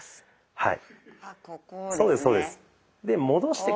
はい。